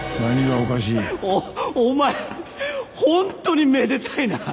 おお前ホントにめでたいな。